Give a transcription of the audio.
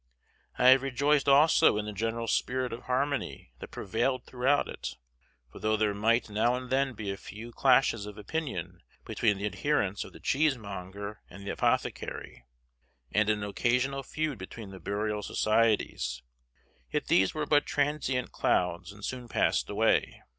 I have rejoiced also in the general spirit of harmony that prevailed throughout it; for though there might now and then be a few clashes of opinion between the adherents of the cheesemonger and the apothecary, and an occasional feud between the burial societies, yet these were but transient clouds and soon passed away.